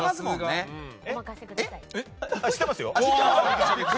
はい、知ってますよ。